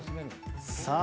さあ